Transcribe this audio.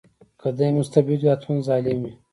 که دی مستبد وي حتماً ظالم وي.